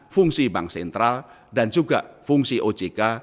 fungsi bank sentral dan juga fungsi ojk